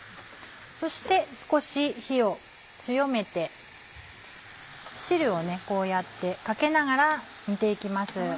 そして少し火を強めて汁をこうやってかけながら煮ていきます。